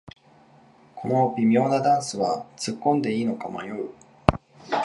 この微妙なダンスはつっこんでいいのか迷う